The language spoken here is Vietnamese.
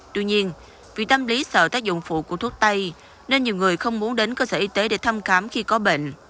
tuy nhiên vì tâm lý sợ tác dụng phụ của thuốc tay nên nhiều người không muốn đến cơ sở y tế để thăm khám khi có bệnh